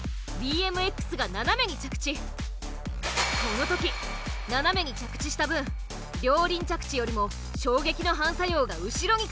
この時斜めに着地した分両輪着地よりも衝撃の反作用が後ろに傾く。